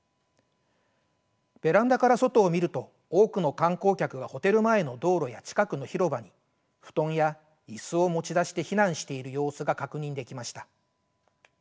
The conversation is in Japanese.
ベランダから外を見ると多くの観光客がホテル前の道路や近くの広場に布団や椅子を持ち出して避難している様子が確認できました。